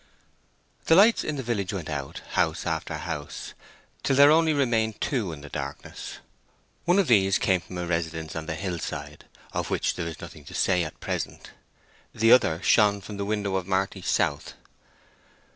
The lights in the village went out, house after house, till there only remained two in the darkness. One of these came from a residence on the hill side, of which there is nothing to say at present; the other shone from the window of Marty South.